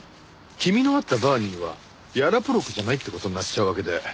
君の会ったバーニーはヤロポロクじゃないって事になっちゃうわけで。